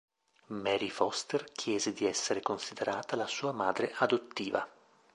Mary Foster chiese di essere considerata la sua madre adottiva.